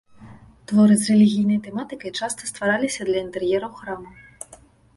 Творы з рэлігійнай тэматыкай часта ствараліся для інтэр'ераў храмаў.